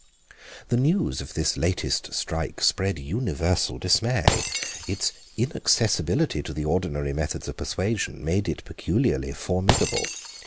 The news of this latest strike spread universal dismay. Its inaccessibility to the ordinary methods of persuasion made it peculiarly formidable.